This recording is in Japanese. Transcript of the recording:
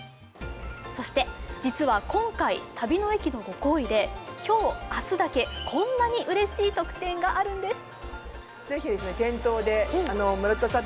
そして実は今回、旅の駅のご厚意で今日、明日だけこんなにうれしい特典があるんです。